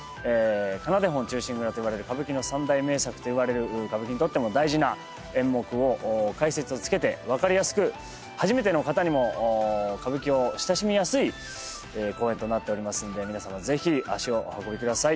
「仮名手本忠臣蔵」といわれる歌舞伎の三大名作といわれる歌舞伎にとっても大事な演目を解説をつけてわかりやすく初めての方にも歌舞伎を親しみやすい公演となっておりますので皆様ぜひ足をお運びください